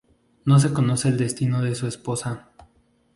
No se conoce el destino de su esposa.